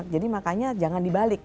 jadi makanya jangan dibalik